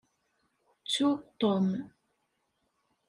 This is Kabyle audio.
Ttu Tom!